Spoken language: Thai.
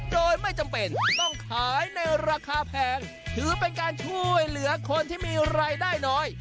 โดยไม่จำเป็นต้องขายในราคาแพงถือเป็นการช่วยเหลือคนที่มีรายได้น้อย